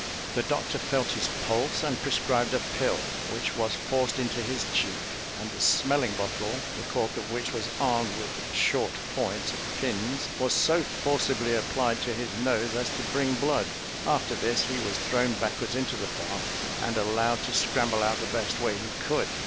The doctor felt his pulse, and prescribed a pill, which was forced into his cheek; and the smelling bottle, the cork of which was armed with short points of pins, was so forcibly applied to his nose as to bring blood; after this, he was thrown backwards into the bath, and allowed to scramble out the best way he could.